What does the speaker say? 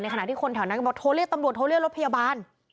ขณะที่คนแถวนั้นก็บอกโทรเรียกตำรวจโทรเรียกรถพยาบาล